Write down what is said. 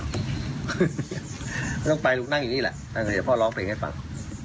ไม่ต้องไปลุกนั่งอย่างนี้แหละนั่งอย่างนี้พ่อร้องเพลงให้ฟัง